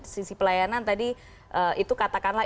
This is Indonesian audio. sisi pelayanan tadi itu katakanlah